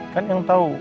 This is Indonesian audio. kan yang tau